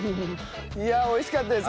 いやあ美味しかったです。